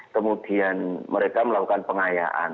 kemudian mereka melakukan pengayaan